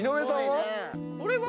これは？